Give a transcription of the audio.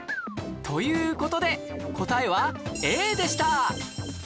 という事で答えは Ａ でした！